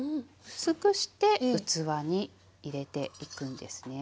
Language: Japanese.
薄くして器に入れていくんですね。